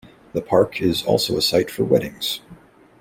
The park is also a site for weddings.